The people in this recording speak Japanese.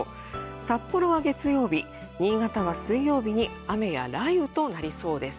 札幌は月曜日、新潟は水曜日に雨や雷雨となりそうです。